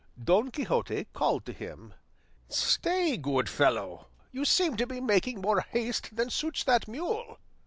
Don Quixote called to him, "Stay, good fellow; you seem to be making more haste than suits that mule."